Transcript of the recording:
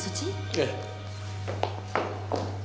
ええ。